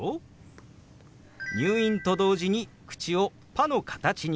「入院」と同時に口を「パ」の形に。